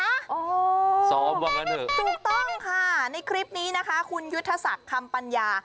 อ๋อถูกต้องค่ะในคลิปนี้นะคะคุณยุทธศักดิ์คำปัญญา